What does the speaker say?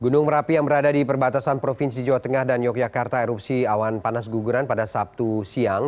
gunung merapi yang berada di perbatasan provinsi jawa tengah dan yogyakarta erupsi awan panas guguran pada sabtu siang